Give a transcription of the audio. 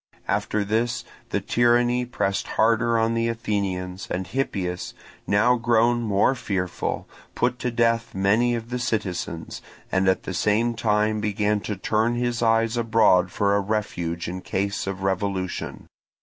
After this the tyranny pressed harder on the Athenians, and Hippias, now grown more fearful, put to death many of the citizens, and at the same time began to turn his eyes abroad for a refuge in case of revolution.